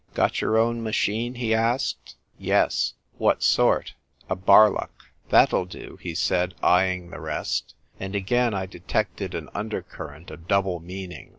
" Got your own machine ?" he asked. "Yes." "What sort?" " A Barlock." "That'll do," he said, eyeing the rest. And again I detected an undercurrent of double meaning.